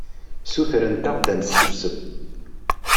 Ssutrent-aɣ-d ad nsusem.